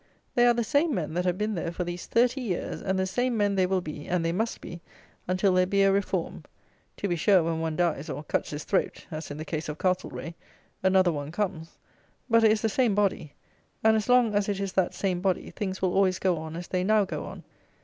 They are the same men that have been there for these thirty years; and the same men they will be, and they must be, until there be a reform. To be sure when one dies, or cuts his throat (as in the case of Castlereagh), another one comes; but it is the same body. And, as long as it is that same body, things will always go on as they now go on.